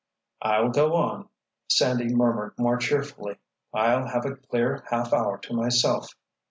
"I'll go on!" Sandy murmured more cheerfully. "I'll have a clear half hour to myself.